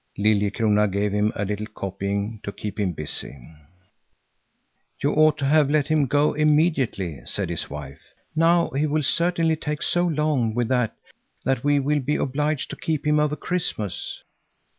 Liljekrona gave him a little copying to keep him busy. "You ought to have let him go immediately," said his wife; "now he will certainly take so long with that that we will be obliged to keep him over Christmas."